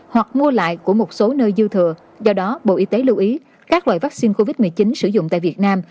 hoặc mua lại của một số nơi dư thừa do đó bộ y tế lưu ý các loại vaccine covid một mươi chín sử dụng tại việt nam